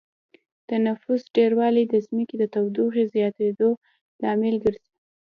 د نفوس ډېروالی د ځمکې د تودوخې د زياتېدو لامل ګرځي